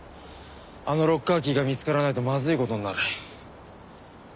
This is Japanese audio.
あのロッカーキーが見つからないとまずい事になる。